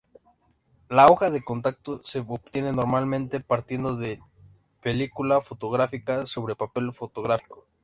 La hoja de contactos se obtiene normalmente partiendo de película fotográfica sobre papel fotográfico.